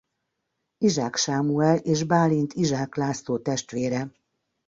Izsák Sámuel és Bálint-Izsák László testvére.